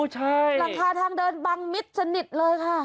หลังคาทางเดินบังมิดสนิทเลยค่ะ